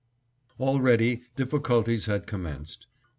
Already, difficulties had commenced.